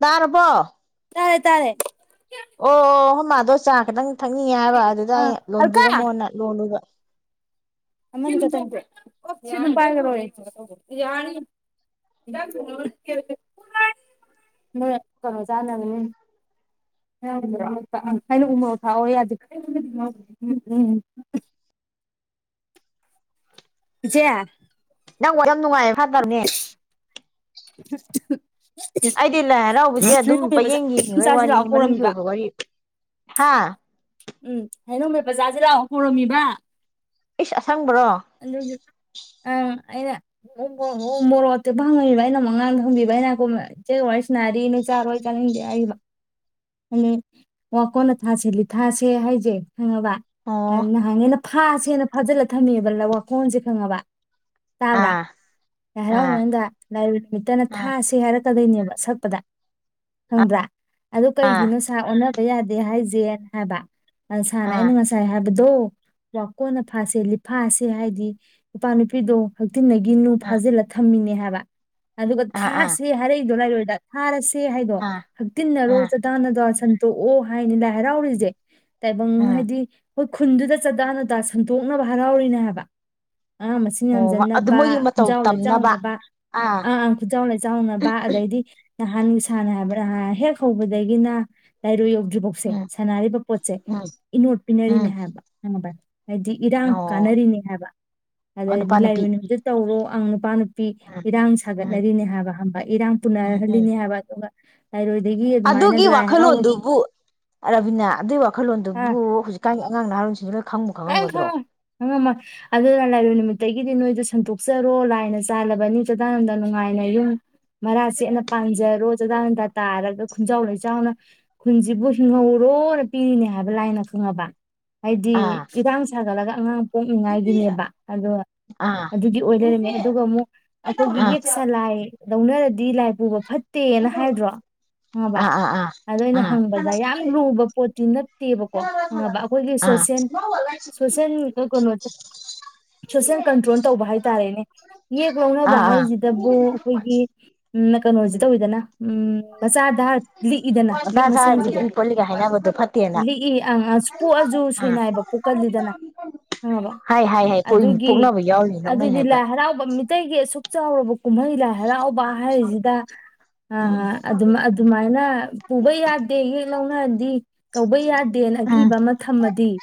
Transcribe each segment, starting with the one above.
ꯇꯔꯔꯕ ꯇꯥꯔꯦ ꯇꯥꯔꯦ ꯑꯣ ꯃꯥꯗꯣ ꯆꯥ ꯀꯗꯪ ꯊꯛꯅꯤꯡꯉꯦ ꯍꯥꯏꯕ ꯑꯗꯨꯗ ꯑꯩ ꯑꯥ ꯑꯜꯀꯥ ꯂꯣꯟꯕꯤꯔꯝꯃꯣꯅ ꯂꯣꯜꯂꯒ ꯄꯥꯏꯣꯏꯔꯦ ꯅꯣꯏ ꯀꯩꯅꯣ ꯆꯥꯅꯕ ꯎ ꯍꯥꯏꯅ ꯎꯃꯥꯎ ꯊꯥꯛꯑꯣ ꯌꯥ ꯎꯝ ꯎꯝ ꯦ ꯅ ꯑꯣꯔ ꯅꯨꯡꯉꯥꯏ ꯐꯥꯗꯔꯅꯦ [unintelligible] ꯑꯩꯗꯤ ꯂꯥꯏ ꯍꯔꯥꯎꯕꯁꯦ ꯑꯗꯨꯝ ꯍꯩꯅꯧ ꯃꯦꯠꯄ ꯄꯌꯦꯡ ꯌꯦꯡꯉꯤ ꯍꯣꯏ ꯆꯥꯁꯤ ꯂꯥꯛꯑꯣ ꯋꯥꯔꯤꯅꯤ ꯃꯅꯨꯡꯒꯤ ꯀꯧꯔꯝꯃꯤꯕ ꯑꯣꯏꯕ ꯋꯥꯔꯤ ꯍꯥꯥ ꯎꯝ ꯍꯂꯣ ꯃ ꯄꯆꯥꯥꯁꯤ ꯂꯥꯛ ꯍꯧꯔꯝꯃꯤꯕ ꯏꯁꯁ ꯑꯁꯪꯕ꯭ꯔꯣ ꯑ ꯑꯩꯅ ꯃꯣꯔꯣꯛꯠꯇꯨ ꯐꯪꯉꯕ ꯑꯩꯅ ꯃꯉꯥꯡꯗ ꯍꯪꯕꯤꯕ ꯍꯥꯏꯩꯅ ꯏꯆ ꯋꯥ ꯁꯅꯥꯔꯤ ꯅ ꯆꯥꯔꯣꯏ ꯆꯥꯅꯤꯡꯗꯦ ꯍꯥꯏꯕ ꯑ ꯋꯥ ꯀꯣꯟꯅ ꯊꯥꯁꯤꯜꯂꯤ ꯊꯥꯁꯦ ꯍꯥꯏꯖꯦ ꯍꯉꯕ ꯑꯣ ꯑꯗꯨꯅ ꯍꯅ ꯐꯥꯁꯦꯅ ꯐꯥꯖꯤꯜꯂ ꯊꯝꯃꯦꯕ ꯋꯥꯈꯜꯁꯦ ꯈꯪꯉꯕ ꯇꯥꯕ꯭ꯔꯥ ꯑꯥ ꯂ ꯍꯔꯥꯎ ꯑꯥ ꯃꯅꯨꯡꯗꯥꯏ ꯅꯨꯃꯤꯠꯇꯅ ꯑꯥ ꯊꯥꯁꯤ ꯍꯥꯏꯔꯛ ꯆꯀꯗꯣꯏꯅꯦꯕ ꯁꯛꯄꯗ ꯈꯪꯕ꯭ꯔꯥ ꯑꯗꯨ ꯑꯥ ꯀꯩꯒꯤꯅꯣ ꯁꯥ ꯑꯣꯟꯅ ꯕ ꯌꯥꯗꯦ ꯍꯥꯏꯁꯦꯅ ꯍꯥꯕ ꯑ ꯁꯥꯟꯅ ꯑꯥ ꯅꯨꯡ ꯉꯁꯥꯏ ꯍꯥꯏ ꯗꯣ ꯀꯣꯟꯅ ꯐꯥꯁꯦ ꯂꯤꯐꯥꯥꯁꯦ ꯍꯥꯏꯗꯤ ꯅꯨꯄꯥ ꯅꯨꯄꯤꯗꯣ ꯍꯧ ꯤꯟꯒꯤꯅꯨ ꯑꯥ ꯐꯥꯖꯤꯜꯂ ꯊꯝꯃꯤꯅꯦ ꯍꯥꯏ ꯕ ꯑꯗꯨꯒ ꯑꯥ ꯑꯥ ꯊꯥꯁꯦ ꯍꯥꯏꯔꯩꯗꯣꯅꯔꯣꯏ ꯥꯔ ꯁꯦ ꯍꯥꯏꯗꯣ ꯑꯥ ꯍꯛꯇꯤꯟꯅꯔꯣ ꯆꯗꯥꯅꯗ ꯁꯟꯇꯣꯛꯑꯣ ꯍꯥꯏꯅꯤ ꯂ ꯍꯔꯥꯎꯔꯤꯁꯦ [unintelligible] ꯇꯥꯏꯕꯪ ꯑꯥ ꯍꯥꯏꯗꯤ ꯍꯣꯏ ꯈꯨꯟꯗꯨꯗ ꯆꯥꯗꯥ ꯗꯥ ꯁꯟꯇꯣꯛꯅꯕ ꯍꯔꯥꯎꯔꯤꯅꯦ ꯍꯥꯏꯕ ꯑꯉꯥꯡ ꯃꯁꯤꯡ ꯎꯝ ꯑꯣ ꯑꯗꯨ ꯌꯥꯝꯖꯟꯅꯕ ꯃꯣꯏꯒꯤ ꯃꯇꯧ ꯈꯨꯟꯖꯥꯎ ꯇꯝꯅꯕ ꯂꯩꯆꯥꯎꯅꯕ ꯑꯥ ꯑ ꯑꯪ ꯈꯨꯟꯖꯥꯎ ꯂꯩꯆꯥꯎꯅꯕ ꯑꯗꯩꯗꯤ ꯅꯍꯥꯟ ꯅꯨꯡꯁꯥꯅ ꯍꯥꯏꯕ꯭ꯔꯥ ꯍꯦꯛ ꯍꯧꯕꯗꯒꯤꯅ ꯂꯥꯏꯔꯨ ꯌꯧ ꯗ꯭ꯔꯤꯕꯣꯛꯁꯦ ꯎꯝ ꯁꯥꯟꯅꯔꯤꯕ ꯄꯣꯠꯁꯦ ꯎꯝ ꯏꯅꯣꯠ ꯄꯤꯅꯔꯤꯅꯦ ꯎꯝ ꯍꯥꯏꯕ ꯃꯗ ꯍꯥꯏꯗꯤ ꯏꯔꯥꯡ ꯑꯣ ꯀꯥꯟꯅꯔꯤꯅꯦ ꯍꯥꯏꯕ ꯑꯣ ꯅꯨꯄꯥ ꯑꯗꯩꯗꯤ ꯅꯨꯄꯤ ꯂꯥꯏꯔꫭꯏ ꯅꯨꯃꯤꯠꯇ ꯇꯧꯔꯣ ꯑꯪ ꯅꯨꯄꯥ ꯄꯤ ꯎꯝ ꯏꯔꯥꯡ ꯎꯝ ꯁꯥꯒꯠꯅꯔꯤꯅꯤ ꯍꯥꯏꯕ ꯈꯪꯕ ꯏꯔꯥꯡ ꯎꯝ ꯎꯝ ꯄꯨꯅꯍꯜꯂꯤꯅꯤ ꯍꯥꯏꯕ ꯑꯗꯨꯒ ꯂꯥꯏꯔꯣꯏꯗꯒꯤ ꯑꯗꯨꯃꯥꯏꯅ ꯑꯗꯨꯒꯤ ꯂꯥꯏ ꯍꯔꯥꯎꯕ ꯋꯥꯈꯜꯂꯣꯟꯗꯨꯕꯨ ꯔꯕꯤꯅꯥ ꯑꯗꯨꯏ ꯋꯥꯈꯜꯂꯣꯟꯗꯨꯕꯨ ꯍꯧꯖꯤꯛꯀꯥꯟ ꯑꯉꯥꯡ ꯅꯥꯔꯣꯟꯁꯤꯡ ꯀꯥꯌꯤꯝ ꯈꯪ ꯉꯝꯃꫭꯏ ꯑꯗꯨꯅ ꯂꯥꯏꯔꫭꯏ ꯑꯗꯒꯤꯗꯤ ꯅꯣꯏꯖꯨ ꯁꯟꯗꯣꯛꯆꯔꯣ ꯂꯥꯏꯅ ꯆꯥꯜꯂꯕꯅꯤ ꯆꯗꯥꯅꯟꯗ ꯅꯨꯡꯉꯥꯏꯅ ꯌꯨꯝ ꯃꯔꯥ ꯁꯦꯠꯅ ꯄꯥꯟꯖꯔꯣ ꯆꯗꯥꯅꯟꯗꯥ ꯇꯥꯔꯒ ꯈꯨꯟꯖꯥꯎ ꯂꯩꯆꯥꯎꯅ ꯈꯨꯟꯁꯤꯕꯨ ꯍꯤꯡꯍꯧꯔꯣꯅ ꯄꯤꯔꯤꯅꯦ ꯍꯥꯏꯕ ꯂꯥꯏꯅ ꯈꯪꯉꯕ ꯍꯥꯏꯗꯤ ꯑꯥ ꯁꯖꯠꯂꯒ ꯑꯉꯥꯡ ꯄꯣꯛꯅꯤꯡꯉꯥꯏꯒꯤꯅꯦꯕ ꯑꯗꯣ ꯑꯥ ꯑꯗꯨꯗꯤ ꯑꯣꯏ ꯂꯩꯔꯝꯃꯦ ꯑꯗꯨꯒ ꯑꯃꯨꯛ ꯑꯩꯈꯣꯏꯒꯤ ꯑꯥ ꯑꯥ ꯌꯦꯛ ꯁꯂꯥꯏ ꯂꯧꯅꯔꯗꯤ ꯂꯥꯏ ꯄꯨꯕ ꯐꯠꯇꯦꯅ ꯍꯥꯏꯗ꯭ꯔꯣ ꯈꯪꯉꯕ ꯑꯥ ꯑꯗ ꯑꯩꯅ ꯍꯪꯕꯗ ꯌꯥꯝ ꯂꯨꯕ ꯄꯣꯠ ꯇꯤ ꯅꯠ ꯇꯦꯕꯀꯣ ꯈꯪꯉꯕ ꯑꯩꯈꯣꯏꯒꯤ ꯑꯥ ꯑꯥ ꯁꯣꯁꯦꯜ ꯁꯣꯁꯦꯜ ꯀꯩꯅꯣꯁꯦ ꯁꯣꯁꯦꯜ ꯀꯟꯇ꯭ꯔꯣꯜ ꯇꯧꯕ ꯍꯥꯏꯇꯥꯔꯦꯅꯦ ꯌꯦꯛ ꯂꯧꯅꯕ ꯑꯥ ꯑꯥ ꯍꯥꯏꯁꯤꯗꯕꯨ ꯑꯩꯈꯣꯏꯒꯤ ꯀꯩꯅꯣꯁꯦ ꯇꯧꯋꯤꯗꯅ ꯎ ꯃꯆꯥꯗ ꯂꯤꯛꯏꯗꯅ ꯃꯊꯥ ꯌꯦꯛ ꯁꯥꯔꯗꯤ ꯃꯁꯦꯟꯁꯤꯗꯤ ꯏ ꯈꯣꯠꯂꯤꯒ ꯍꯥꯏꯅꯕꯗꯣ ꯐꯠꯇꯦꯅ ꯂꯤꯛꯏ ꯑꯪ ꯑ ꯄꯣꯛꯑꯁꯨ ꯑꯥ ꯁꯣꯏꯅꯥꯏꯕ ꯄꯣꯛꯀꯜꯂꯤꯗꯅ ꯈꯪꯉꯕ ꯍꯥꯏ ꯍꯥꯏ ꯍꯥꯏ ꯄꯣꯛꯏꯅꯤ ꯑꯗꯨꯒꯤ ꯄꯣꯛꯅꯕ ꯌꯥꯎꯔꯤꯅꯤ ꯂꯧꯅꯩ ꯑꯗꯨꯗꯤ ꯍꯥꯏꯕ ꯂꯥꯏ ꯍꯔꯥꯎꯕ ꯃꯤꯇꯩꯒꯤ ꯑꯁꯨꯛ ꯆꯥꯎꯔ ꯀꯨꯝꯍꯩ ꯂꯥꯏ ꯍꯔꯥꯎꯕ ꯍꯥꯏꯔꯤꯁꯤꯗ ꯎꯝ ꯑꯗꯨꯝ ꯑꯗꯨꯃꯥꯏꯅ ꯄꯨꯕ ꯌꯥꯗꯦ ꯌꯦꯛ ꯂꯧꯅꯔꯗꯤ ꯀꯧꯕꯥ ꯌꯥ ꯗꯦꯅ ꯎꯝ ꯑꯀꯤꯕ ꯑꯃ ꯊꯝꯃꯗꯤ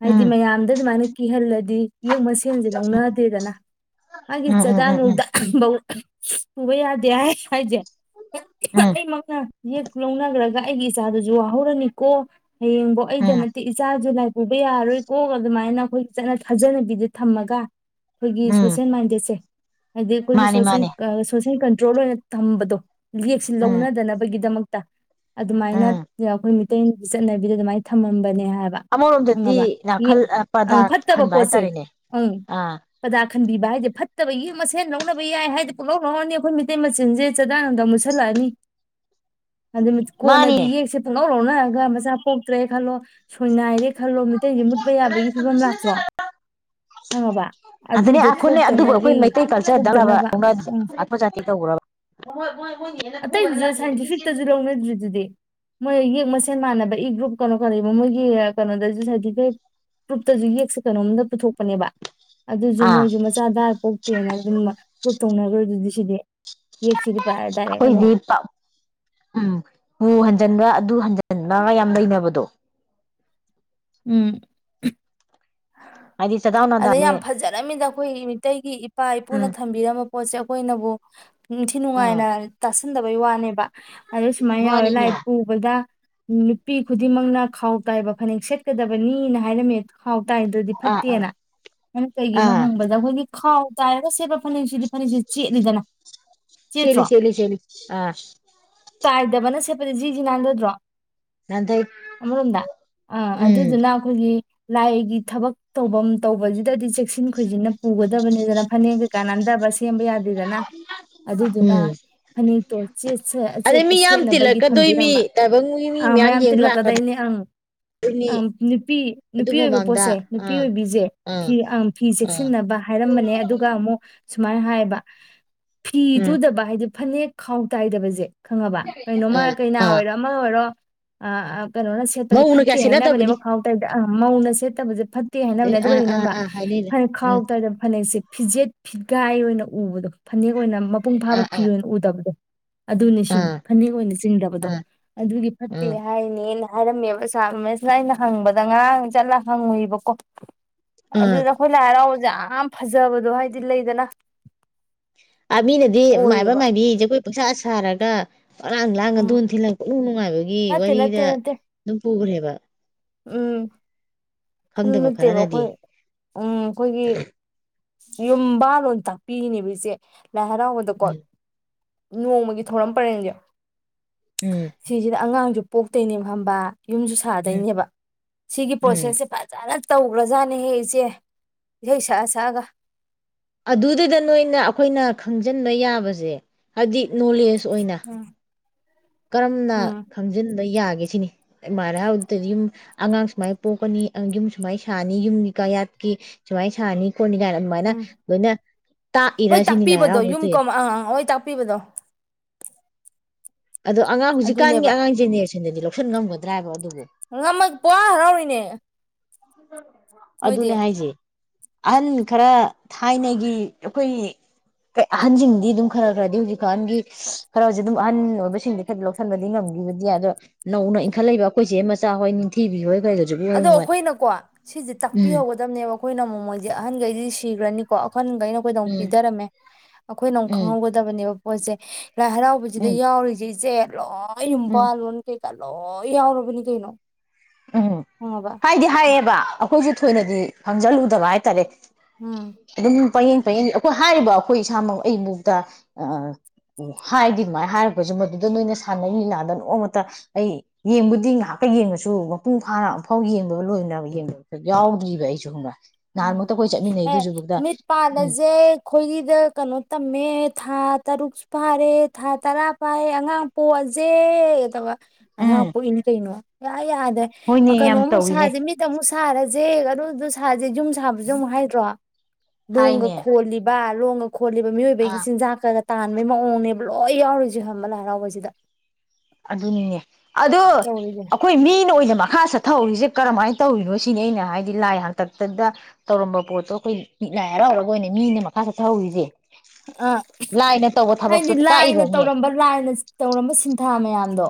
ꯍꯥꯏꯗꯤ ꯎꯝ ꯃꯌꯥꯝꯗ ꯑꯗꯨꯃꯥꯏꯅ ꯀꯤꯍꯜꯂꯗꯤ ꯌꯦꯛ ꯃꯁꯦꯟꯁꯦ ꯂꯧꯅꯗꯦꯗꯅ ꯃꯥꯒꯤ ꯎꯝ ꯎꯝ ꯎꯝ ꯆꯗꯥꯅꯨꯗꯧ [inaudible] ꯎꯕ ꯌꯥꯗꯦ ꯍꯥꯏ ꯍꯥꯏꯖꯦ ꯎꯝ ꯎꯝ [unintelligible] ꯌꯦꯛ ꯂꯧꯅꯈ꯭ꯔꯒ ꯑꯩꯒꯤ ꯏꯆꯥꯗꯨꯁꯨ ꯋꯥꯍꯧꯔꯅꯤꯀꯣ ꯍꯌꯦꯡꯕꯣ ꯑꯩꯗ ꯎꯝ ꯅꯠꯇꯦ ꯏꯆꯥꯁꯨ ꯄꯨꯕ ꯌꯥꯔꯣꯏꯀꯣ ꯑꯗꯨꯃꯥꯏꯅ ꯑꯩꯈꯣꯏꯒꯤ ꯆꯠꯅ ꯊꯥꯖꯅꯕꯤꯗ ꯊꯝꯃꯒ ꯑꯩꯈꯣꯏꯒꯤ ꯎꯝ ꯁꯣꯁꯦꯜ ꯃꯥꯏꯟꯗꯦꯠꯁꯦ ꯍꯥꯏꯗꯤ ꯑꯩꯈꯣꯏꯒꯤ ꯃꯥꯅꯤ ꯁꯣ ꯃꯥꯅꯤ ꯁꯣ ꯭ꯔꯣꯜ ꯑꯣꯏꯅ ꯊꯝꯕꯗꯣ ꯂꯦꯛꯁꯤ ꯎꯝ ꯂꯧꯅꯗꯅꯕꯒꯤꯗꯃꯛꯛꯇ ꯑꯗꯨꯃꯥꯏꯅ ꯎꯝ ꯑꯩꯈꯣꯏ ꯃꯤꯇꯩꯒꯤ ꯆꯠꯅꯕꯤꯗ ꯑꯗꯨꯃꯥꯏꯅ ꯊꯝꯃꯝꯕꯅꯦ ꯍꯥꯏꯕ ꯑꯃꯣꯟꯣ ꯗꯤ ꯈꯪꯉꯕ ꯅꯥꯀꯜ ꯌꯦ ꯑꯪ ꯄ꯭ꯔꯗꯔꯊ ꯐꯠꯇꯕ ꯈꯟꯕ ꯄꯣꯠꯁꯦ ꯍꯥꯏꯇꯥꯔꯦꯅꯦ ꯑꯪ ꯑꯥ ꯄ꯭ꯔꯗꯥ ꯈꯟꯕꯤꯕ ꯍꯥꯏꯗꯤ ꯐꯠꯇꯕꯒꯤ ꯃꯁꯦꯟ ꯂꯧꯅꯕ ꯌꯥꯏ ꯍꯥꯏꯗꯤ ꯄꯨꯂꯥꯎ ꯂꯧꯔꯅꯤ ꯑꯩꯈꯣꯏ ꯃꯤꯇꯩ ꯃꯆꯤꯟꯁꯦ ꯆꯗꯥꯅꯗ ꯃꯨꯁꯜꯂꯥꯅꯤ ꯑꯗꯨ ꯀꯣꯅꯗꯤ ꯃꯥꯅꯦ ꯌꯦꯁꯦꯄꯨꯡꯉ ꯣꯅ ꯍꯥꯏꯒ ꯃꯆꯥ ꯄꯣꯛꯇ꯭ꯔꯦ ꯈꯜꯂꯣ ꯁꯣꯏꯅꯅꯥꯏꯔꯦ ꯈꯜꯂꯣ ꯃꯤꯇꯩꯁꯦ ꯃꯨꯠꯄ ꯌꯥꯕꯒꯤ ꯐꯤꯕꯝ ꯂꯥꯛꯇ꯭ꯔꯣ ꯈꯪꯉꯕ ꯑꯗꯨꯅꯦ ꯑꯗꯨꯗꯣ ꯑꯩꯈꯣꯏꯅꯦ ꯑꯗꯨꯕꯨ ꯊꯣꯛꯇꯅꯒꯤ ꯑꯩꯈꯣꯏ ꯃꯩꯇꯩ ꯀꯜꯆꯔ ꯗꯠꯂꯕ ꯊꯣꯛꯇꯅꯕ ꯎꯝ ꯑꯩꯈꯣꯏ ꯖꯥꯇꯤ ꯇꯧꯈ꯭ꯔꯕ ꯑꯇꯩꯗꯨꯁꯨ ꯁꯥꯏꯟꯇꯤꯐꯤꯛꯇꯁꯨ ꯂꯧꯅꯗ꯭ꯔꯤꯗꯨꯗꯤ ꯃꯣꯏ ꯌꯦꯛ ꯃꯁꯦꯟ ꯃꯥꯟꯅꯕ ꯏ ꯒ꯭ꯔꯨꯞ ꯀꯩꯅꯣ ꯀꯕ ꯃꯣꯏꯒꯤ ꯀꯩꯅꯣꯗꯁꯨ ꯁꯥꯔꯇꯤꯐꯤꯀꯦꯠ ꯄ꯭ꯔꯨꯞꯇꯁꯨ ꯌꯦꯛꯁꯦ ꯀꯩꯅꯣꯝꯗ ꯄꯨꯊꯣꯛꯄꯅꯦꯕ ꯑꯗꯨꯁꯨ ꯑꯥ ꯃꯣꯏꯁꯨ ꯃꯆꯥ ꯗꯥꯔ ꯄꯣꯛꯇꯦꯅ ꯑꯗꯨꯝ ꯀꯣꯛ ꯇꯧꯅꯈ꯭ꯔꯗꯨꯗꯤ ꯁꯤꯦ ꯑꯩꯈꯣꯏꯗꯤ ꯎꯝ ꯎ ꯍꯟꯖꯟꯕ꯭ꯔꯥ ꯑꯗꯨ ꯍꯟꯖꯤꯟ ꯃꯥꯒꯥ ꯌꯥꯝ ꯂꯩꯅꯕꯗꯣ ꯎꯝ ꯍꯥꯏꯗꯤ ꯆꯗꯥꯎ ꯑꯗ ꯌꯥꯝ ꯅꯥꯗꯥꯁꯦ ꯐꯖꯔꯃꯤꯗ ꯑꯩꯈꯣꯏ ꯃꯤꯇꯩꯩꯒꯤ ꯏꯄꯥ ꯏꯄꯨꯅ ꯎꯝ ꯊꯝꯕꯤꯔꯝꯕ ꯄꯣꯠꯁꯦ ꯑꯩꯈꯣꯏꯅꯕꯨ ꯏ ꯊ ꯅꯨꯅꯨꯡꯉ ꯑꯥ ꯍꯥꯏꯥꯏꯅꯔ ꯇ ꯊꯟꯗꯕꯩ ꯋꯥꯅꯦꯕ ꯑꯗꯣ ꯁꯨꯃꯥꯏꯅ ꯌꯥꯎꯋꯦ ꯃꯥꯅꯤꯅꯦ ꯂꯥꯏ ꯑꯥ ꯄꯨꯕꯗ ꯅꯨꯄꯤ ꯈꯨꯗꯤꯡꯃꯛꯅ ꯈꯥꯎ ꯇꯥꯏꯕ ꯐꯅꯦꯛ ꯁꯦꯠꯀꯗꯕꯅꯤꯅ ꯍꯥꯏꯔꯝꯃꯦ ꯥꯏꯗꯨꯗꯤ ꯑꯥ ꯐꯠꯇꯦꯅ ꯑꯗꯨꯅ ꯀꯩꯒꯤꯅꯣ ꯑꯥ ꯍꯪꯕꯗ ꯑꯩꯈꯣꯏꯒꯤ ꯍꯥꯎ ꯇꯥꯏꯒꯣ ꯁꯤꯕ ꯐꯁꯤꯗꯤ ꯐꯅꯦꯛꯁꯤ ꯆꯦꯠꯂꯤꯗꯅ ꯆꯦꯠꯇ꯭ꯔꯣ ꯆꯦꯜꯂꯤ ꯆꯦꯜꯂꯤ ꯆꯦꯜꯂꯤ ꯑꯥ ꯇꯥꯏꯗꯕꯅ ꯖꯤ ꯖꯤ ꯅꯅꯥꯟꯗꯗ꯭ꯔꯣ ꯅꯥꯟꯊꯩ ꯑꯃꯔꯣꯝꯗ ꯑꯥ ꯎꯝ ꯑꯗꯨꯗꯨꯅ ꯑꯩꯈꯣꯏꯒꯤ ꯂꯥꯏꯒꯤ ꯊꯕꯛ ꯇꯧꯐꯝ ꯇꯧꯕꯁꯤꯗꯗꯤ ꯆꯦꯛꯁꯤꯟ ꯈꯣꯏꯁꯤꯟꯅ ꯄꯨꯒꯗꯕꯅꯤꯗꯅ ꯐꯅꯦꯛ ꯀꯩꯀꯥꯅꯟꯗꯕ ꯁꯦꯝꯕ ꯌꯥꯗꯦꯗꯅ ꯑꯗꯨꯗꯨꯅ ꯎꯝ ꯑꯗꯩ ꯐꯅꯛꯇꯣꯆꯦꯠꯄ ꯃꯤ ꯌꯥꯝ ꯁꯦꯠꯅꯕꯒꯤ ꯇꯤꯜꯂꯛꯀꯗꯣꯏ ꯊꯝꯕꯤꯔꯝꯕ ꯃꯤ ꯇꯥꯏꯕꯪꯒꯤ ꯃꯤ ꯑꯪ ꯃꯌꯥꯝ ꯌꯦꯡꯕ ꯇꯤꯜꯂꯛꯀꯗꯣꯏꯅꯦ ꯑꯪ ꯂꯥꯛꯀꯗꯣꯏꯅꯤ ꯑꯪ ꯅꯨꯄꯤ ꯑꯗꯨ ꯅꯨꯄꯤ ꯑꯣꯏꯕ ꯃꯃꯥꯡꯗ ꯄꯣꯠꯁꯦ ꯅꯨꯄꯤ ꯑꯥ ꯑꯣꯏꯕꯤꯁꯦ ꯑꯥ ꯐꯤ ꯐꯤ ꯑꯥ ꯆꯦꯛꯁꯤꯟꯅꯕ ꯍꯥꯏꯔꯝꯕꯅꯦ ꯑꯗꯨꯒ ꯑꯃꯨꯛ ꯁꯨꯃꯥꯏ ꯍꯥꯏꯌꯦꯕ ꯐꯤ ꯎꯝ ꯇꯨꯗꯕ ꯍꯥꯏꯗꯤ ꯐꯅꯦꯛ ꯈꯥꯎ ꯇꯥꯏꯗꯕꯁꯦ ꯈꯪꯉꯕ ꯀꯩꯅꯣꯃ ꯑꯥ ꯀꯩꯅꯥ ꯑꯥ ꯑꯣꯏꯔꯣ ꯑꯃ ꯑꯣꯏꯔꯣ ꯑ ꯑ ꯀꯩꯅꯣꯅ ꯁꯦꯠꯄꯁꯦ ꯃꯧꯅ ꯐꯠꯇꯦ ꯀꯌꯥ ꯍꯥꯏꯅꯕꯅꯦꯕ ꯁꯦꯠꯅꯗꯕꯅꯤ ꯈꯥꯎ ꯇ ꯑ ꯃꯧꯅ ꯁꯦꯠꯇꯕꯁꯦ ꯐꯠꯇꯦ ꯍꯥꯏꯅꯕꯅꯦ ꯑꯗꯨ ꯑꯥ ꯀꯩꯒꯤꯅꯣ ꯑꯥ ꯈꯪꯕ ꯑꯥ ꯍꯥꯏꯅꯩꯅꯦ ꯐꯅꯦꯛ ꯈꯥꯎ ꯎꯝ ꯇꯔꯗ ꯐꯅꯦꯛꯁꯦ ꯐꯤꯖꯦꯠ ꯐꯤꯒꯥꯏ ꯑꯣꯏꯅ ꯎꯕꯗꯣ ꯐꯅꯦꯛ ꯑꯣꯏꯅ ꯃꯄꯨꯡ ꯐꯥꯕ ꯑꯥ ꯐꯤ ꯑꯥ ꯑꯣꯏꯅ ꯎꯗꯕꯗꯣ ꯑꯗꯨꯅꯤ ꯁꯤꯅꯤ ꯑꯥ ꯐꯅꯦꯛ ꯑꯣꯏꯅ ꯆꯤꯡꯗꯕꯗꯣ ꯑꯥ ꯑꯗꯨꯗꯤ ꯐꯠꯇꯦ ꯎꯝ ꯍꯥꯏꯅꯦꯅ ꯍꯥꯏꯔꯝꯃꯦꯕ ꯁꯥꯔ ꯔꯣꯃꯦꯁꯅ ꯑꯩꯅ ꯍꯪꯕꯗ ꯗ ꯉꯔꯥꯡ ꯆꯠꯂ ꯍꯪꯉꯨꯏꯕꯀꯣ ꯎꯝ ꯑꯗꯨꯗ ꯑꯩꯈꯣꯏꯅ ꯍꯔꯥꯎꯕꯁꯦ ꯌꯥꯝ ꯐꯖꯕꯗꯣ ꯍꯥꯏꯗꯤ ꯂꯩꯗꯅ ꯑ ꯃꯤꯅꯗꯤ ꯃꯥꯏꯕ ꯑꯣꯏꯌꯦꯕ ꯃꯥꯏꯕꯤ ꯖꯒꯣꯏ ꯄꯪꯁꯥ ꯁꯥꯔꯒ ꯒ ꯇ ꯑꯂꯥꯡ ꯂꯥꯡꯉꯥ ꯎꯝ ꯗꯣꯟ ꯊꯤꯜꯂ ꯄꯪꯅꯨꯡ ꯅꯨꯡꯉꯥꯏꯕꯒꯤ ꯅꯠꯇꯦ ꯅꯠꯇꯦ ꯋꯥꯔꯤꯗ ꯅꯠꯇꯦ ꯑꯗꯨꯝ ꯄꯨꯈ꯭ꯔꯦꯕ [inaudible] ꯎꯝ ꯁꯝ ꯈꯪꯗꯕ ꯅꯠꯇꯦꯕ ꯈꯔꯅꯗꯤ ꯑꯩꯈꯣꯏ ꯎꯝ ꯑꯩꯈꯣꯏꯒꯤ ꯌꯨꯝꯕ ꯕꯥꯟ ꯂꯣꯟ ꯇꯥꯛꯄꯤꯔꯤꯅꯦꯕ ꯏꯆꯦ ꯂꯥꯏ ꯍꯔꯥꯎꯕꯗꯀꯣ ꯎꯝ ꯅꯣꯡꯃꯒꯤ ꯊꯧꯔꯝ ꯄꯔꯦꯡꯁꯦ ꯎꯝ ꯁꯤꯁꯤꯗ ꯑꯉꯥꯡꯁꯨ ꯄꯣꯛꯇꯩꯅꯦ ꯈꯪꯕꯥ ꯌꯨꯝꯁꯨ ꯎꯝ ꯁꯥꯗꯣꯏꯅꯦꯕ ꯁꯤꯒꯤ ꯎꯝ ꯄ꯭ꯔꯣꯁꯦꯁꯁꯦ ꯐꯖꯟꯅ ꯇꯧꯈ꯭ꯔꯖꯥꯠꯅꯦꯍꯦꯛ ꯏꯆꯦ ꯏꯁꯩ ꯁꯛꯑ ꯁꯛꯑꯒ ꯑꯗꯨꯗꯨꯩꯗ ꯅꯣꯏꯅ ꯑꯩꯈꯣꯏꯅ ꯈꯪꯖꯤꯟꯕ ꯌꯥꯕꯁꯦ ꯍꯥꯏꯗꯤ ꯅꯣꯂꯦꯖ ꯑꯣꯏꯅ ꯎꯝ ꯀꯔꯝꯅ ꯎꯝ ꯈꯪꯖꯤꯟꯕ ꯌꯥ ꯒꯦ ꯁꯤꯅꯤ [unintelligible] ꯌꯨꯝ ꯑꯉꯥꯡ ꯁꯨꯃꯥꯏꯅ ꯄꯣꯛꯀꯅꯤ ꯑꯪ ꯌꯨꯝ ꯁꯨꯃꯥꯏꯅ ꯁꯥꯅꯤ ꯌꯨꯝꯒꯤ ꯀꯥꯌꯥꯠꯀꯤ ꯁꯨꯃꯥꯏꯅ ꯁꯥꯅꯤ ꯈꯣꯠꯅꯤ ꯀꯥꯏꯅ ꯑꯗꯨꯃꯥꯏꯅ ꯎꯝ ꯂꯣꯏꯅ ꯇꯥꯛꯏꯔꯥ ꯁꯤꯅꯤ ꯂꯥꯏ ꯍꯔꯥꯎꯕꯗ ꯇꯧꯏ ꯀꯄꯤꯄꯤꯕꯗꯣ ꯑꯗꯣ ꯑꯉꯥꯡ ꯍꯧꯖꯤꯛꯀꯥꯟꯒꯤ ꯑꯉꯥꯡꯁꯦꯅꯦ ꯁꯤꯗꯗꯤ ꯂꯧꯁꯟ ꯉꯝꯒꯗ꯭ꯔꯥ ꯍꯥꯏꯕ ꯑꯗꯨ ꯉꯝꯒ ꯄꯣ ꯍꯔꯥꯎꯔꯤꯅꯦ ꯁꯤꯦ ꯃꯣꯏꯗꯤ ꯑꯗꯨꯅꯦ ꯍꯥꯏꯁꯦ ꯑꯍꯟ ꯈꯔ ꯊꯥꯏꯅꯒꯤ ꯑꯩꯈꯣꯏ ꯑꯍꯟꯁꯤꯡꯗꯤ ꯑꯗꯨꯝ ꯈꯔ ꯈꯔꯗꯤ ꯍꯧꯖꯤꯛꯀ ꯑꯍꯟꯒꯤ ꯈꯔ ꯍꯧꯖꯤ ꯑꯗꯨꯝ ꯑꯍꯟ ꯑꯣꯏꯕꯁꯤꯡꯗꯤ ꯈꯔ ꯂꯧꯁꯤꯟꯕꯗꯤ ꯉꯝꯈꯤꯕꯗꯤ ꯑꯗꯣ ꯅꯧꯅ ꯏꯟꯈꯠꯂꯛꯏꯕ ꯑꯩꯈꯣꯏꯁꯦ ꯃꯆꯥ ꯍꯣꯏ ꯅꯤꯡꯊꯤꯕꯤ ꯍꯣꯏ ꯑꯗꯣ ꯗꯅꯨꯡ ꯋꯥ ꯑꯩꯈꯣꯏꯅꯀꯣ ꯁꯤꯁꯦ ꯇꯥꯛꯄꯤꯍꯧꯒꯗꯕꯅꯦꯕ ꯑꯩꯈꯣꯏꯅ ꯃꯣꯃꯣꯏꯁꯦ ꯑꯍꯟꯈꯩꯗꯤ ꯁꯤꯈ꯭ꯔꯅꯤꯀꯣ ꯋꯥꯈꯟꯈꯩꯅ ꯑꯩꯈꯣꯏꯗ ꯑꯃꯨꯛ ꯎꯝ ꯄꯤꯖꯔꯝꯃꯦ ꯑꯩꯈꯣꯏꯅ ꯑꯃꯨꯛ ꯎꯝ ꯈꯪꯍꯧꯒꯗꯕꯅꯦꯕ ꯀꯁꯦ ꯂꯥꯏ ꯍꯔꯥꯎꯕꯁꯤꯗ ꯎꯝ ꯌꯥꯎꯔꯤꯁꯦ ꯏꯆꯦ ꯌꯥ ꯎꯝ ꯑꯌꯨꯝꯕꯥꯥꯜꯣꯣꯟꯇ ꯂ ꯌꯥꯎꯔꯕꯨ ꯀꯩꯅꯩꯅꯣ ꯎꯝꯝ ꯍꯥꯏꯗꯤ ꯍꯥꯏꯌꯦꯕ ꯍꯧꯈꯖꯤꯛ ꯊꯣꯏꯅꯗꯤ ꯐꯪꯖꯜꯂꯨꯗꯕ ꯍꯥꯏꯇꯥꯔꯦ ꯎꯝ ꯑ ꯄꯌꯦꯡ ꯄꯌꯦꯡ ꯑꯩꯈꯣꯏ ꯍꯥꯏꯔꯤꯕ ꯑꯩꯈꯣꯏ ꯏꯁꯥꯃꯛ ꯑꯩ ꯃꯨꯛꯇ ꯍꯥꯏꯗꯤ ꯑꯗꯨꯃꯥꯏꯅ ꯍꯥꯏꯔꯛꯄꯁꯨ ꯃꯗꯨꯗ ꯅꯣꯏꯅ ꯁꯥꯟꯅꯅꯤ ꯂꯥꯟꯗ ꯅꯣꯡꯃꯇ ꯑꯩ ꯌꯦꯡꯕꯨꯗꯤ ꯉꯥꯏꯍꯥꯛꯀ ꯌꯦꯡꯉꯁꯨ ꯃꯄꯨꯡ ꯐꯥꯅ ꯑꯃꯝꯐꯥꯎ ꯌꯦꯡꯕ ꯂꯣꯏ ꯌꯦꯡꯕ ꯌꯥꯎꯗ꯭ꯔꯤꯕ ꯑꯩꯁꯨ ꯁꯨꯝꯕ ꯎꯝ ꯑꯦ ꯃꯤꯠ ꯎꯝ ꯄꯥꯜꯂꯁꯦ ꯑꯩꯈꯣꯏꯒꯤꯗ ꯀꯩꯅꯣ ꯇꯝꯃꯦ ꯊꯥ ꯇꯔꯨꯛꯁꯨ ꯐꯥꯔꯦ ꯊꯥ ꯇꯔꯥ ꯐꯥꯏꯌꯦꯦ ꯑꯉꯥꯡ ꯄꯣꯛꯑꯁꯦ ꯑꯗꯨꯒ ꯑꯉ ꯎꯝ ꯑꯣ ꯏꯅ ꯀꯩꯅꯩꯅꯣ ꯌꯥꯗ ꯍꯣꯏꯅꯦ ꯃꯈꯜ ꯅꯨ ꯌꯥꯝ ꯑꯃꯨꯛ ꯇꯧꯋꯤꯅꯦ ꯁꯥꯖꯦ ꯃꯤ ꯇ ꯑꯃꯨꯛ ꯁꯔꯁꯦꯒꯨ ꯑꯗꯨ ꯁꯥ ꯍꯧ ꯌꯨꯝ ꯁꯥꯕꯁꯨ ꯑꯃꯨꯛ ꯍꯥꯏꯗ꯭ꯔꯣ ꯣꯡꯒ ꯍꯥꯏꯅꯦ ꯈꯣꯂꯤꯕꯜ ꯔꯣꯡ ꯈꯣꯠꯂꯤꯕ ꯃꯤꯑꯣꯏꯕꯒꯤ ꯑꯥ ꯆꯤꯟꯖꯥꯛ ꯈꯔꯒ ꯇꯥꯟꯕꯩ ꯃꯑꯣꯡꯅꯦꯕ ꯂꯣꯏ ꯌꯥꯎꯔꯤꯁꯦ ꯍꯕ ꯂꯥꯏꯔꯥꯎꯕꯁꯤꯗ ꯑꯗꯨꯅꯤꯅꯦ ꯑꯗꯨ ꯇꯧꯔꯤꯁꯦ ꯑꯩꯈꯣꯏ ꯃꯤꯅ ꯑꯣꯏꯅꯃꯛ ꯃꯈꯥ ꯆꯠꯊꯍꯧꯔꯤꯁꯦ ꯀꯔꯝꯍꯥꯏꯅ ꯇꯧꯔꯤꯅꯣ ꯁꯤꯅꯤ ꯑꯩꯅ ꯍꯥꯏꯗꯤ ꯂꯥꯏ ꯍꯥꯛꯇꯛꯇꯗ ꯇꯧꯔꯝꯕ ꯄꯣꯠꯇꯣ ꯑꯩꯈꯣꯏ ꯃꯤꯠ ꯂꯥꯏ ꯍꯔꯥꯎꯔꯔꯕ ꯑꯣꯏꯅ ꯃꯤꯅꯦ ꯃꯈꯥ ꯆꯠꯊꯍꯧꯔꯤꯁꯦ ꯑ ꯂꯥꯏꯅ ꯇꯧꯕ ꯊꯕꯛꯇꯣ ꯍꯥꯏꯗꯤ ꯂꯥꯏꯅ ꯇꯥꯛꯏꯕꯅꯦ ꯇꯧꯔꯝꯕ ꯂꯥꯏꯅ ꯇꯧꯔꯝꯕ ꯁꯤꯟꯊꯥ ꯃꯌꯥꯝꯗꯣ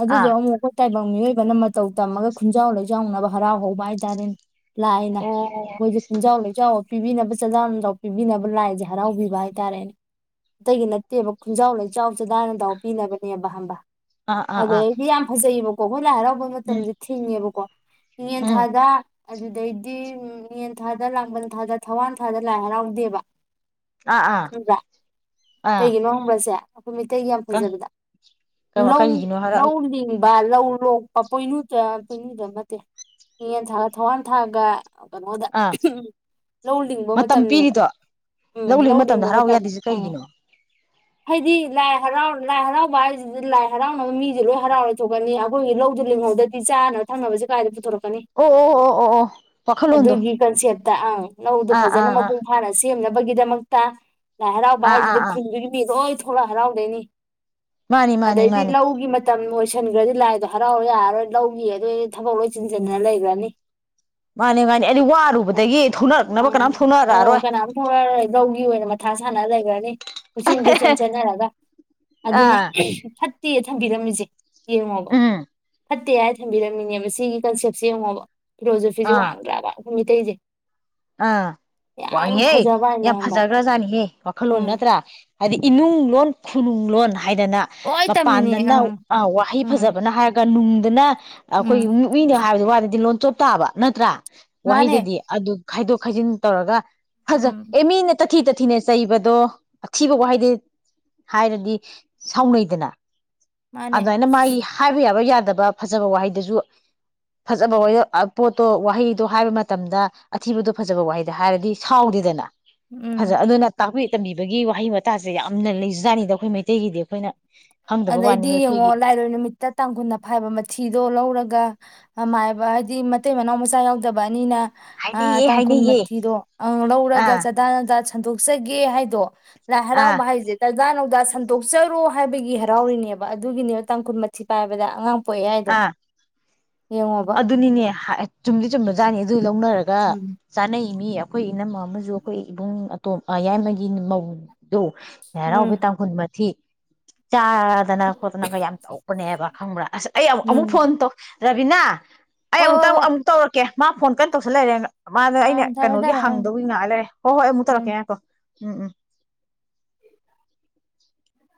ꯑꯗꯨꯗꯣ ꯑꯥ ꯑꯃꯨꯛ ꯈꯣꯏ ꯇꯥꯏꯕꯪ ꯃꯤꯑꯣꯏꯕꯅ ꯃꯇꯧ ꯇꯝꯃꯒ ꯈꯨꯟꯖꯥꯎ ꯂꯩꯖꯥꯎꯅꯕ ꯍꯔꯥꯎ ꯍꯧꯕ ꯍꯥꯏ ꯇꯔꯦꯅꯦ ꯂꯥꯏꯅ ꯑꯣ ꯑꯈꯣꯏꯖꯨ ꯈꯨꯟꯖꯥꯎ ꯂꯩꯆꯥꯎ ꯄꯤꯕꯤꯅꯕ [unintelligible] ꯄꯤꯕꯤꯅꯕ ꯂꯥꯏꯖꯦ ꯍꯔꯥꯎꯕꯤ ꯕ ꯍꯥꯏꯇꯥꯔꯦ ꯑꯇꯩꯒꯤ ꯅꯠꯇꯦꯕ ꯈꯨꯟꯖꯥꯎ ꯂꯩ ꯆꯥꯎ ꯆꯗꯥ ꯅꯗꯥꯎ ꯄꯤꯅꯕꯅꯦꯕ ꯍꯝꯕ ꯑꯥ ꯑꯥ ꯑꯥ ꯑꯗꯩꯗꯤ ꯌꯥꯝ ꯐꯖꯩꯕ ꯀꯣꯈꯣꯏ ꯂꯥꯏ ꯍꯔꯥꯎ ꯕ ꯎꯝ ꯃꯇꯝꯖꯦ ꯊꯤꯡꯉꯦ ꯕꯀꯣ ꯏꯉꯦꯟ ꯎꯝ ꯊꯥꯗ ꯑꯗꯨꯗꯩꯗꯤ ꯏꯉꯦꯟ ꯊꯥꯗ ꯂꯥꯡꯕꯜ ꯊꯥꯗ ꯊꯋꯥꯟ ꯊꯥꯗ ꯂꯥꯏ ꯍꯔꯥꯎꯗꯦꯕ ꯑꯥ ꯑꯥ ꯈꯪꯕ꯭ꯔ ꯑꯥ ꯀꯩꯒꯤꯅꯣ ꯈꯪꯕꯔ꯭ ꯁꯦ ꯈꯣꯏ ꯃꯤꯇꯩꯒꯤ ꯌꯥꯝ ꯐꯖꯕꯤꯗ ꯀ ꯂꯧ ꯀꯔꯤꯒꯤꯅꯣ ꯍꯥꯏꯔꯛ ꯂꯧ ꯂꯤꯡ ꯕꯥ ꯂꯧ ꯂꯣꯛꯄ ꯄꯣꯏꯅꯨꯗ ꯄꯣꯏꯅꯨꯗ ꯅꯠꯇꯦ ꯏꯉꯦꯟ ꯊꯥꯒ ꯊꯧꯋꯥꯟ ꯊꯥꯒ ꯀꯩꯅꯣꯗ ꯑꯥ ꯂꯧ ꯂꯤꯡꯕ ꯃꯇꯝꯅꯦꯕ ꯎꯝ ꯇꯝꯗ ꯂꯤꯡꯕ ꯍꯔꯥꯎꯕ ꯃꯇꯝ ꯌꯥꯗꯤꯖꯤ ꯎꯝ ꯀꯩꯒꯤꯅꯣ ꯍꯥꯏꯗꯤ ꯂꯥꯏ ꯍꯔꯥꯎ ꯂꯥꯏ ꯍꯔꯥꯎꯕ ꯍꯥꯏꯖꯤꯗꯤ ꯂꯥꯏ ꯍꯔꯥꯎꯅꯕ ꯃꯤꯖꯦ ꯂꯣꯏ ꯍꯔꯥꯎꯔ ꯂꯩꯊꯣꯛꯈꯥꯅꯤ ꯑꯈꯣꯏꯒꯤ ꯂꯧꯗꯨ ꯂꯤꯡꯍꯧꯗꯗꯤ ꯆꯥꯅ ꯊꯛꯅꯕꯖꯦ ꯀꯥꯏꯗ ꯄꯨꯊꯣꯔꯛ ꯀꯅꯤ ꯑꯣ ꯑꯣ ꯑꯣ ꯑꯣ ꯑꯣ ꯋꯥꯈꯜꯂꯣꯟꯗꯣ ꯑꯗꯨꯒꯤ ꯀꯟꯁꯦꯞꯇ ꯑꯪ ꯂꯧꯗꯣ ꯑꯥ ꯐꯖꯅ ꯑꯥ ꯑꯥ ꯃꯄꯨꯡ ꯐꯥꯅ ꯁꯦ ꯁꯦꯝꯅꯕꯒꯤꯗꯃꯛ ꯇꯥ ꯂꯥꯏꯍꯥꯔꯥꯎꯕ ꯑꯥ ꯑꯥ ꯍꯥꯏꯖꯤꯗꯤ ꯑꯥ ꯈꯨꯟꯗꯨꯒꯤ ꯃꯤꯂꯣꯏ ꯊꯣꯛ ꯊꯣꯛꯂꯍꯔꯥꯎꯗꯅꯤ ꯃꯥꯅꯤ ꯃꯥꯅꯤ ꯑꯗꯩꯗꯤ ꯃꯥꯅꯤ ꯂꯧꯒꯤ ꯃꯇꯝ ꯂꯣꯏꯁꯟꯒꯔꯥꯗꯤ ꯂꯥꯏꯗꯣ ꯍꯔꯥꯎ ꯌꯥꯔꯣꯏ ꯂꯧꯒꯤ ꯑꯗꯨ ꯊꯕꯛ ꯂꯣꯏ ꯆꯤꯟꯖꯟꯅ ꯂꯩꯒꯔꯥꯅꯤ ꯃꯥꯅꯤ ꯃꯥꯅꯤ ꯑꯗꯨ ꯋꯥꯔꯨꯕꯗꯒꯤ ꯊꯣꯛꯅꯔꯛꯅꯕ ꯑꯪ ꯀꯅꯥꯝ ꯍꯣ ꯊꯧꯅꯔꯔꯛꯑꯔꯣꯏ ꯀꯅꯥꯝ ꯊꯣꯛꯂꯛꯑꯔꯣꯏ ꯂꯧꯒꯤ ꯑꯣꯏꯅ ꯃꯊꯥ ꯁꯥꯟꯅ ꯂꯩꯒꯔꯥꯅꯤ ꯀꯨꯏꯆꯦꯟ ꯀꯨꯏꯆꯦꯟ ꯆꯠꯟꯅꯔꯒ ꯑꯗꯨꯅ ꯑꯥ ꯐꯠꯇꯦ ꯊꯝꯕꯤꯔꯝꯃꯤꯖꯦ ꯌꯦꯡꯉꯣꯕ ꯎꯝ ꯐꯠꯇꯦ ꯍꯥꯏ ꯊꯝꯕꯤꯔꯝꯃꯤꯅꯦꯕ ꯁꯤꯒꯤ ꯀꯟꯁꯦꯞꯁꯦ ꯌꯦꯡꯉꯣꯕ ꯐꯤꯂꯣꯁꯣꯐꯤꯖꯦ ꯋꯥꯡꯗ꯭ꯔꯥꯕ ꯃꯤꯇꯩꯩꯖꯦ ꯑ ꯋꯥꯡꯉꯤꯍꯦ ꯐꯖꯕ ꯍꯥꯏꯅ ꯌꯥꯝ ꯐꯖ ꯈꯪꯕ꯭ꯔꯥ ꯖꯒ꯭ꯔ ꯖꯥꯅꯤꯍꯦ ꯋꯥꯈꯜꯂꯣꯟ ꯎꯝ ꯅꯠꯇ꯭ꯔꯥ ꯍꯥꯏꯗꯤ ꯏꯅꯨꯡ ꯂꯣꯟ ꯈꯨꯅꯨꯡ ꯂꯣꯟ ꯍꯥꯏꯗꯅ ꯂꯣꯏ ꯇꯝꯃꯤꯅꯦ ꯃꯄꯥꯟꯗꯅ ꯑꯪ ꯋꯥꯍꯩ ꯎꯝ ꯐꯖꯕꯅ ꯍꯥꯏꯔꯒ ꯅꯨꯡꯗꯅ ꯎꯝ ꯑꯩꯈꯣꯏꯒꯤ ꯃꯤꯅ ꯍꯥꯏꯕꯗꯤ ꯋꯥꯗꯗꯤ ꯂꯣꯟ ꯆꯣꯞꯇꯥꯥꯕ ꯅꯠꯇ꯭ꯔꯥ ꯃꯥꯅꯦ ꯋꯥꯍꯩꯗꯗꯤ ꯑꯗꯨ ꯈꯥꯏꯗꯣꯛ ꯈꯥꯏꯖꯤꯟ ꯇꯧꯔꯒ ꯍꯖ ꯎꯝ ꯑꯦꯃꯤꯅꯦ ꯇꯥꯊꯤ ꯇꯥꯊꯤꯅ ꯆꯩꯕꯗꯣ ꯑꯊꯤꯕ ꯋꯥꯍꯩꯗꯤ ꯍꯥꯏꯔꯗꯤ ꯁꯥꯎꯅꯩꯗꯅ ꯃꯥꯅꯦ ꯑꯗꯨꯃꯥꯏꯅ ꯃꯥꯒꯤ ꯍꯥꯏꯕ ꯌꯥꯕ ꯌꯥꯦ ꯌꯥꯗꯕ ꯐꯖꯕ ꯋꯥꯍꯩꯗꯨꯁꯨ ꯐꯖꯕ ꯋꯥꯍꯩ ꯄꯣꯠꯇꯣ ꯋꯥꯍꯩꯗꯣ ꯍꯥꯏꯕ ꯃꯇꯝꯗ ꯑꯊꯤꯕꯗꯣ ꯐꯖꯕ ꯋꯥꯍꯩꯗ ꯍꯥꯏꯔꯗꯤ ꯁꯥꯎꯗꯦꯗꯅ ꯐꯖꯩ ꯎꯝ ꯑꯗꯨꯅ ꯇꯥꯛꯄꯤ ꯇꯝꯕꯤꯕꯒꯤ ꯋꯥꯍꯩ ꯋꯥꯇꯥꯁꯦ ꯌꯥꯝꯅ ꯂꯩꯖꯥꯠꯅꯤꯗ ꯑꯩꯈꯣꯏ ꯃꯩꯇꯩꯒꯤꯗꯤ ꯑꯩꯈꯣꯏꯅ ꯈꯪꯗꯕ ꯋꯥꯅꯤ ꯑꯗꯩꯗꯤ ꯌꯦꯡꯉꯣ ꯑꯩꯈꯣꯏꯒꯤ ꯂꯥꯏꯔꯣꯏ ꯅꯨꯃꯤꯠꯇ ꯇꯥꯡꯈꯨꯜꯅ ꯐꯥꯏꯕ ꯃꯊꯤꯗꯣ ꯂꯧꯔꯒ ꯥꯏꯕ ꯍꯥꯏꯗꯤ ꯃꯇꯩ ꯃꯅꯥꯎ ꯃꯆꯥ ꯌꯥꯎꯗꯕ ꯑꯅꯤꯅ ꯑ ꯍꯥꯏꯅꯩꯌꯦ ꯇꯥꯡꯀꯨꯟ ꯍꯥꯏꯅꯩꯌꯦ ꯃꯊꯤꯗꯨꯣ ꯑ ꯂꯧꯔꯒ ꯑꯥ ꯆꯗꯥꯅ ꯁꯟꯗꯣꯛꯆꯒꯦ ꯍꯥꯏꯗꯣ ꯂꯍꯔꯥꯎ ꯑꯥ ꯍꯥꯏꯖꯦꯅ ꯗ ꯁꯟꯗꯣꯛꯆꯔꯣ ꯍꯥꯏꯕꯒꯤ ꯍꯔꯥꯎꯔꯤꯅꯦꯕ ꯑꯗꯨꯒꯤꯅꯦꯕ ꯇꯥꯡ ꯀꯨꯟ ꯃꯊꯤ ꯄꯥꯏꯕꯗ ꯑꯉꯥꯡ ꯄꯣꯛꯑꯦ ꯍꯥꯏꯗꯣ ꯑ ꯌꯦꯡꯉꯣꯕ ꯑꯗꯨꯅꯤꯅꯦ ꯆꯨꯝꯗꯤ ꯆꯨꯝꯕ ꯖꯥꯠꯅꯤ ꯂꯧꯅꯔꯒ ꯎꯝ ꯆꯥꯅꯩ ꯃꯤ ꯑꯩꯈꯣꯏ ꯏꯅꯝꯃ ꯑꯃꯁꯨ ꯑꯩꯈꯣꯏ ꯏꯕꯨꯡ ꯑꯇꯣꯝꯌꯥꯏꯃꯒꯤ ꯃꯧꯗꯨ ꯎꯝ ꯌꯥꯔꯥꯎꯥꯎꯕ ꯇꯥꯡꯈꯨꯟ ꯃꯊꯤ ꯆꯥꯗꯅ ꯈꯣꯠꯇꯅꯒ ꯌꯥꯝ ꯇꯧꯄꯅꯦꯕ ꯈꯪꯕ꯭ꯔꯥ ꯑꯁ ꯑꯩ ꯑꯃꯨꯛ ꯎꯝ ꯐꯣꯟ ꯇ ꯔꯕꯤꯅꯥ ꯑꯩ ꯍꯣꯏ ꯍꯣꯏ ꯑꯃꯨꯛꯇꯪ ꯍꯣꯏ ꯑꯃꯨꯛ ꯇꯧꯔꯛꯀꯦ ꯃꯥ ꯐꯣꯟ ꯀꯩꯅꯣ ꯇꯧꯁꯜ ꯂꯩꯔꯦ ꯃꯥꯅ ꯑꯩꯅ ꯑꯥ ꯊꯝꯃꯦ ꯀꯩꯅꯣꯒꯤ ꯊꯝꯃꯦ ꯑꯪ ꯍꯪꯗꯧꯒꯤ ꯉꯥꯏ ꯂꯩꯔꯦ ꯍꯣꯏ ꯍꯣꯏ ꯑꯃꯨꯛ ꯎꯝ ꯇꯧꯔꯛꯀꯦ ꯍꯥꯏꯀꯣ ꯎꯝ ꯎꯝ